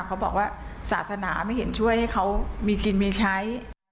เขาบอกว่าศาสนาไม่เห็นช่วยให้เขามีกินมีใช้